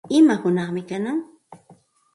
¿Ima hunaqmi kanan?